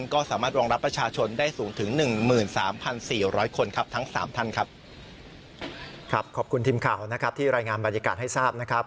ครับขอบคุณทีมข่าวนะครับที่รายงานบรรยากาศให้ทราบนะครับ